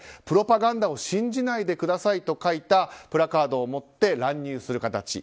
プロパガンダを信じないでくださいと書いたプラカードを持って乱入する形。